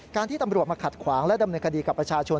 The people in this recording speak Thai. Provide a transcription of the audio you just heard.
ที่ตำรวจมาขัดขวางและดำเนินคดีกับประชาชน